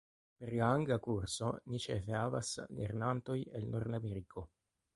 Per la angla kurso, ni ĉefe havas lernantojn el Nordameriko.